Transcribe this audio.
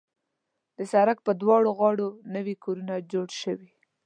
د سړک پر دواړه غاړو نوي کورونه جوړ شوي.